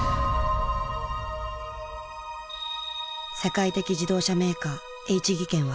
世界的自動車メーカーＨ技研は。